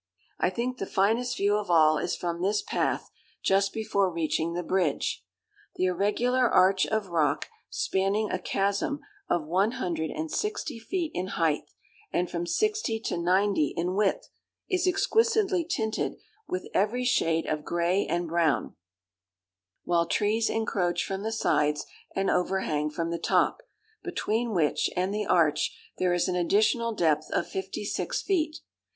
I think the finest view of all is from this path, just before reaching the bridge. The irregular arch of rock, spanning a chasm of one hundred and sixty feet in height, and from sixty to ninety in width, is exquisitely tinted with every shade of grey and brown; while trees encroach from the sides, and overhang from the top; between which and the arch there is an additional depth of fifty six feet.